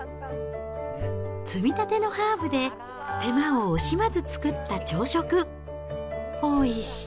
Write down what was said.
摘みたてのハーブで手間を惜しまず作った朝食。